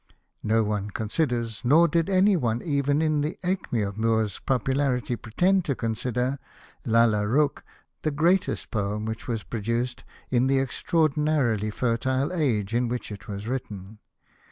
No one considers, nor did any one even in the acm^ of Moore's popularity pretend to consider Lalla Rookh the greatest poem which was produced in the extra ordinarily fertile age in which it was written.